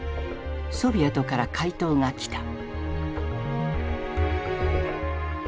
ソビエトから回答が来た。